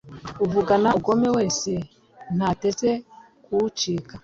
uvugana ubugome wese ntateze kuwucika